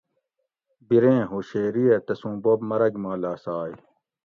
بِریں ہوشیریہ تسوں بوب مرگ ما لاسائے